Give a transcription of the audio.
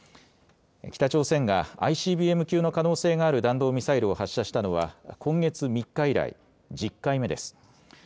北朝鮮がＩＣＢＭ級の可能性がある弾道ミサイルを発射したのは今月３日以来、１０回目です。